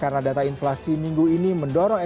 karena data inflasi minggu ini mendorong ekonomi dan